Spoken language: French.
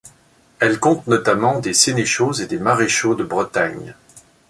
Elle compte notamment des sénéchaux et des maréchaux de Bretagne.